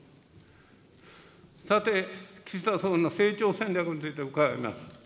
さて、岸田総理の成長戦略について伺います。